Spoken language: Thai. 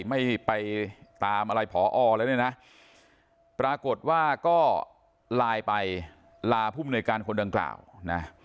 ไม่ไปตามอะไรพอแล้วเนี่ยนะปรากฏว่าก็ไลน์ไปลาผู้มนวยการคนดังกล่าวนะ